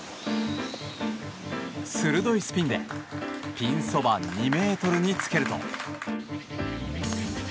鋭いスピンでピンそば２ｍにつけると。